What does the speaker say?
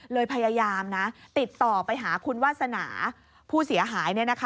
พยายามติดต่อไปหาคุณวาสนาผู้เสียหาย